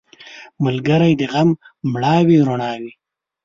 ملګری د غم مړاوې رڼا وي